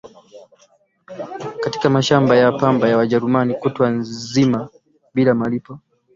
katika mashamba ya pamba ya Wajerumani kutwa nzima bila malipo